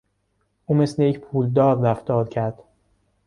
او مثل یک پولدار رفتار کرد.